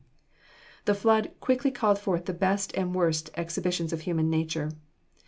The flood quickly called forth the best and the worst exhibitions of human nature.